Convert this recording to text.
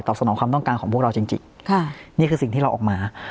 สนองความต้องการของพวกเราจริงค่ะนี่คือสิ่งที่เราออกมา